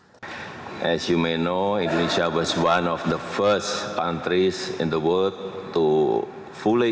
sebagai yang anda tahu indonesia adalah salah satu negara terbaru di dunia